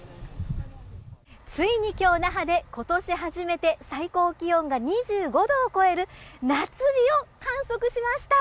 ついに今日那覇で今年初めて最高気温が２５度を超える夏日を観測しました。